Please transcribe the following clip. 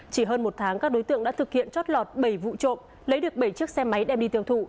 chỉ hơn một tháng các đối tượng đã thực hiện chót lọt bảy vụ trộm lấy được bảy chiếc xe máy đem đi tiêu thụ